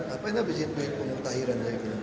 apa yang harus disituin pemutahiran